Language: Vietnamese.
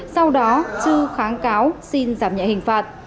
sau đó trư kháng cáo xin giảm nhẹ hình phạt